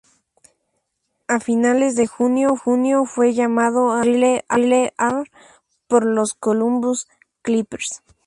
A finales de junio, fue llamado a Trile-A por los Columbus Clippers.